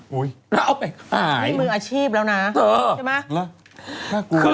โหหยน้อยมึงอาชีพแล้วนะใช่ป่ะ